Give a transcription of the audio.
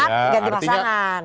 udah mau akar ganti pasangan